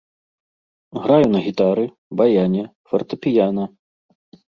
Граю на гітары, баяне, фартэпіяна.